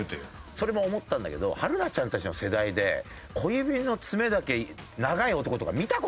それも思ったんだけど春奈ちゃんたちの世代で小指の爪だけ長い男とか見た事あるかなと思った。